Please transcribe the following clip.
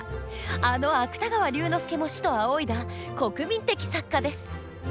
あの芥川龍之介も師と仰いだ国民的作家です。